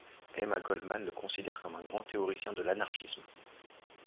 Emma Goldman le considère comme un grand théoricien de l'anarchisme.